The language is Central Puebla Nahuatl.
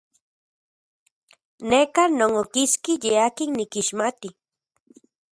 Neka non okiski ye akin nikixmati.